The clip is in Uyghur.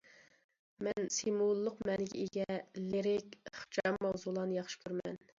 مەن سىمۋوللۇق مەنىگە ئىگە، لىرىك، ئىخچام ماۋزۇلارنى ياخشى كۆرىمەن.